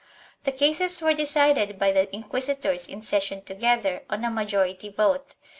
The cases were decided by the inquisitors in session together, on a majority vote.